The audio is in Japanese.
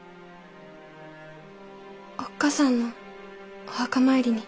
おっかさんのお墓参りに。